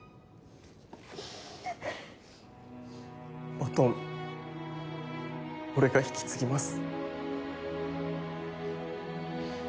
バトン俺が引き継ぎます。